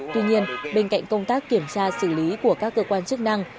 tuy nhiên bên cạnh công tác kiểm tra xử lý của các cơ quan chức năng